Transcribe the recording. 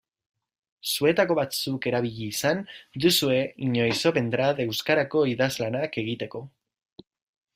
Zuetako batzuk erabili izan duzue inoiz Opentrad euskarazko idazlanak egiteko.